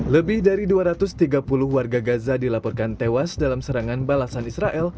lebih dari dua ratus tiga puluh warga gaza dilaporkan tewas dalam serangan balasan israel